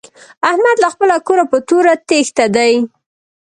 احمد له خپله کوره په توره تېښته دی.